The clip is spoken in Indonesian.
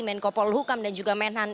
menkopolhukam dan juga menhan